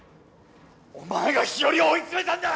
お前が日和を追い詰めたんだ！！